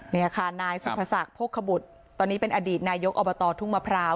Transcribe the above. นี่ค่ะนายสุภศักดิ์โภคบุตรตอนนี้เป็นอดีตนายกอบตทุ่งมะพร้าว